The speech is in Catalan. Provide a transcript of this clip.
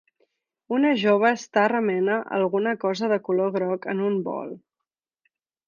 Una jove està remena alguna cosa de color groc en un bol.